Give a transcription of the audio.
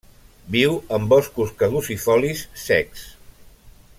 Viu en boscos caducifolis secs.